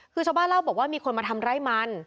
คือชาวบ้านเล่าบอกว่ามีคนมาทำไร่มัน